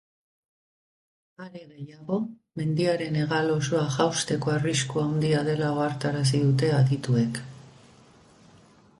Are gehiago, mendiaren hegal osoa jausteko arriskua handia dela ohartarazi dute adituek.